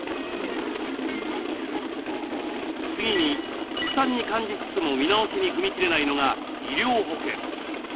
次に負担に感じつつも見直しに踏み切れないのが医療保険。